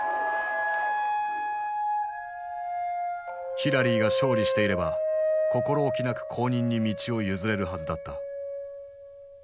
ヒラリーが勝利していれば心おきなく後任に道を譲れるはずだった。